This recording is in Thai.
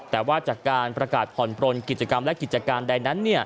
แต่ว่าจากการประกาศผ่อนปลนกิจกรรมและกิจการใดนั้น